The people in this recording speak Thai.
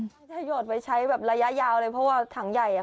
ที่จะโยนไว้ใช้แบบระยะยาวเลยเพราะว่าถังใหญ่